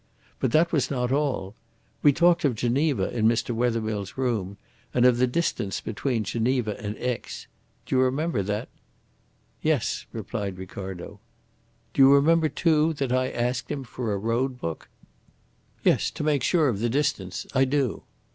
But that was not all. We talked of Geneva in Mr. Wethermill's room, and of the distance between Geneva and Aix. Do you remember that?" "Yes," replied Ricardo. "Do you remember too that I asked him for a road book?" "Yes; to make sure of the distance. I do."